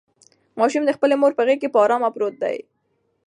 ماشوم د خپلې مور په غېږ کې په ارامه پروت دی.